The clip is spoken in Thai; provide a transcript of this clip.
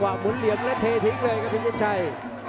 กว่าหมุนเหลี่ยงแล้วเททิ้งเลยครับพิชชัย